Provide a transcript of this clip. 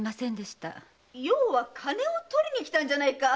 要は金を取りに来たんじゃないか。